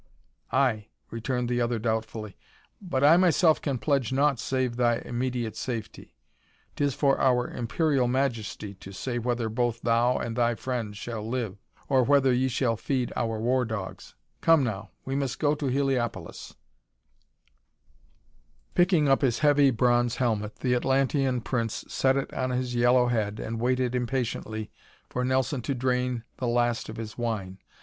"Aye," returned the other doubtfully. "But I myself can pledge naught save thy immediate safety. 'Tis for our Imperial Majesty to say whether both thou and thy friend shall live, or whether ye shall feed our war dogs. Come now, we must go to Heliopolis." [Illustration: Map of Jarmuth and Atlans] Picking up his heavy, bronze helmet the Atlantean prince set it on his yellow head and waited impatiently for Nelson to drain the last of his wine.